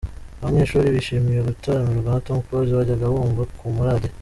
Abanyeshuri bishimiye gutaramirwa na Tom Close bajyaga bumva ku maradiyo.